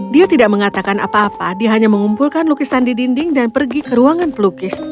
dia tidak mengatakan apa apa dia hanya mengumpulkan lukisan di dinding dan pergi ke ruangan pelukis